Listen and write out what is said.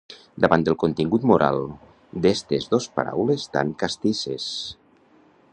Davant del contingut moral d'estes dos paraules tan castisses.